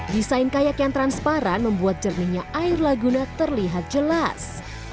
desain kayak yang transparan membuat jernihnya air laguna terlihat jelas